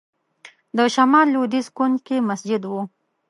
د شمال لوېدیځ کونج کې مسجد و.